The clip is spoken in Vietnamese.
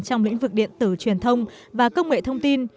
trong lĩnh vực điện tử truyền thông và công nghệ thông tin